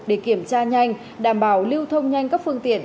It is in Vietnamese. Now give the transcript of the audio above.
để kiểm tra nhanh đảm bảo lưu thông nhanh các phương tiện